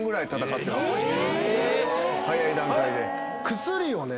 早い段階で。